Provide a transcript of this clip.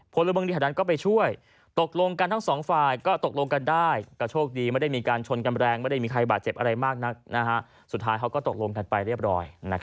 ผลบังดิษฐานก็ไปช่วย